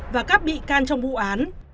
và các bị can trong vụ án